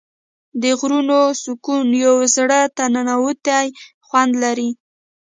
د غرونو سکون یو زړه ته ننووتی خوند لري.